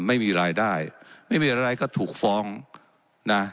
ไม่มีรายได้ไม่มีอะไรก็ถูกฟ้องนะ